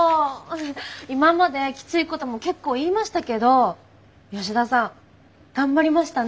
今まできついことも結構言いましたけど吉田さん頑張りましたね。